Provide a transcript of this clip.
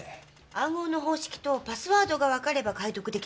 暗号の方式とパスワードがわかれば解読できるはず。